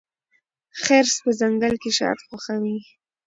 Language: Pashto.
خرس په ځنګل کې شات خوښوي.